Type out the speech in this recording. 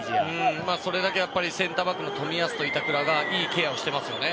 それだけセンターバックの冨安と板倉がいいケアをしていますよね。